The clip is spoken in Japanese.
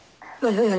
何？